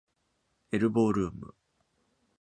エルボールーム